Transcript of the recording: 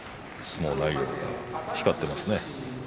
相撲内容が光っていますね。